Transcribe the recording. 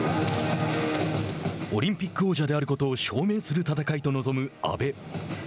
オリンピック王者であることを証明する戦いと臨む阿部。